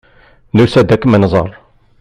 Nusa-d ad kem-nẓer.